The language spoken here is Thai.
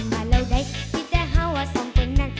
มาแล้วได้ที่จะห้าว่าสองคนนั้น